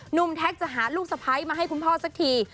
แท็กจะหาลูกสะพ้ายมาให้คุณพ่อสักที